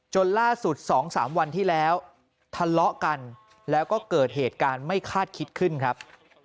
ล่าสุด๒๓วันที่แล้วทะเลาะกันแล้วก็เกิดเหตุการณ์ไม่คาดคิดขึ้นครับ